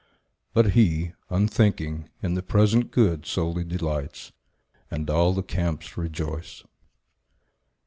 But he, unthinking, in the present good Solely delights, and all the camps rejoice.